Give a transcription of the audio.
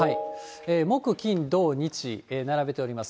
木、金、土、日、並べております。